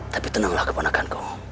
tapi tenanglah kepanakanku